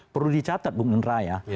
perlu dicatat bung nenraya